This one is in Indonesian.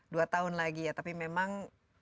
dua tahun lagi ya tapi memang